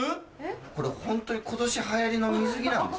これホントに今年流行りの水着なんですか？